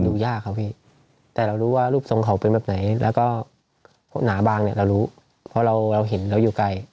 ยากครับพี่แต่เรารู้ว่ารูปทรงเขาเป็นแบบไหนแล้วก็หนาบางเนี่ยเรารู้เพราะเราเห็นเราอยู่ไกล